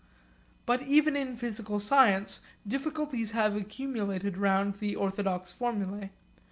But even in physical science difficulties have accumulated round the orthodox formulae.